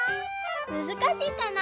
むずかしいかな？